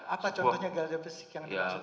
apa contohnya gejala gejala fisik yang dimaksud ini